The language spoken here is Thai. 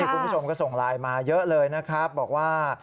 คุณผู้ชมก็ส่งไลน์มาเยอะเลยนะครับบอกว่า